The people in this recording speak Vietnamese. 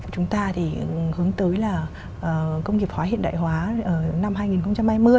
chúng ta thì hướng tới là công nghiệp hóa hiện đại hóa năm hai nghìn hai mươi